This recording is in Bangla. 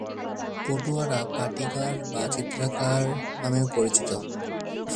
পটুয়ারা পাটিগার বা চিত্রকার নামেও পরিচিত।